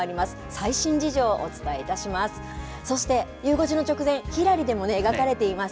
最新事情をお伝えいたします。